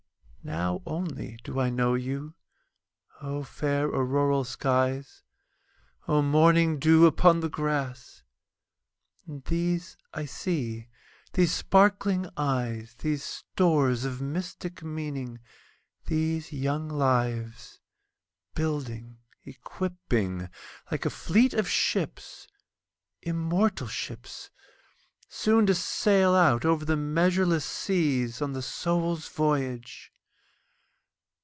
Now only do I know you!O fair auroral skies! O morning dew upon the grass! And these I see—these sparkling eyes, These stores of mystic meaning—these young lives, Building, equipping, like a fleet of ships—immortal ships! Soon to sail out over the measureless seas, On the Soul's voyage.